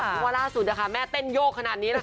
เพราะว่าร่่าสุดแม่เต้นโยกขนาดนี้ค่ะ